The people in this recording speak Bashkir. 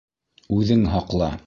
Үҙең һаҡла!